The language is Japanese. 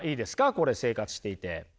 これ生活していて。